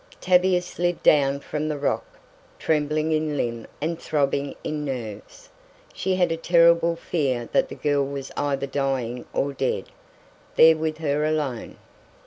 Tavia slid down from the rock, trembling in limb and throbbing in nerves. She had a terrible fear that the girl was either dying or dead. There with her alone!